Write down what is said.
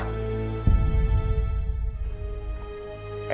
ayo ya besit makan ya